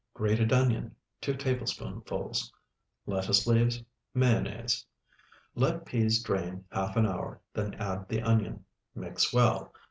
Grated onion, 2 tablespoonfuls. Lettuce leaves. Mayonnaise. Let peas drain half an hour, then add the onion. Mix well.